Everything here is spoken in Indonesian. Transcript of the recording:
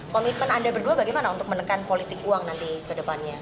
komitmen anda berdua bagaimana untuk menekan politik uang nanti ke depannya